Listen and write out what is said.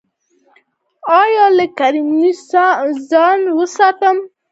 ایا له ګرمۍ ځان وساتم؟